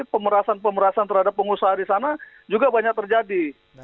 pemerasan pemerasan terhadap pengusaha di sana juga banyak terjadi